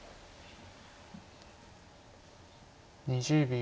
２０秒。